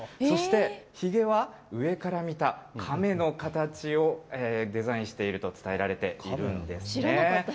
そして、ひげは、上から見たカメの形をデザインしていると伝えられているんですね。